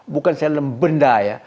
bukan dalam benda ya